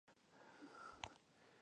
هر جاهل ته دټګمار دستار سنګين شي